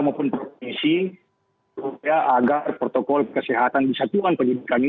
maupun provinsi agar protokol kesehatan di satuan pendidikan ini